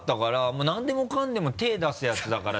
もう何でもかんでも手を出すヤツだから。